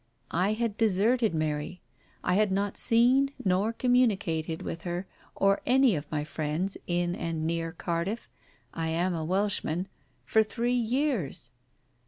I had deserted Mary — I had not seen nor communicated with her or any of my old friends in and ne&r Cardiff — I am a Welshman — for three years